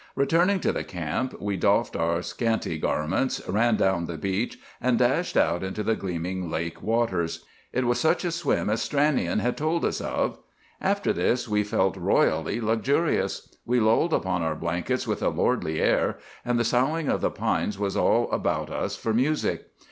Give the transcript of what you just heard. Returning to the camp, we doffed our scanty garments, ran down the beach, and dashed out into the gleaming lake waters. It was such a swim as Stranion had told us of. After this we felt royally luxurious. We lolled upon our blankets with a lordly air, and the soughing of the pines was all about us for music.